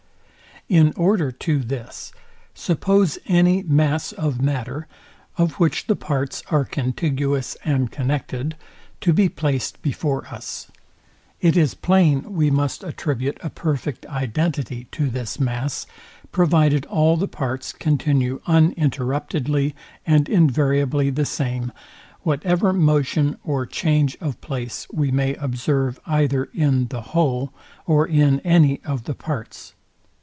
In order to this, suppose any mass of matter, of which the parts are contiguous and connected, to be placed before us; it is plain we must attribute a perfect identity to this mass, provided all the parts continue uninterruptedly and invariably the same, whatever motion or change of place we may observe either in the whole or in any of the parts.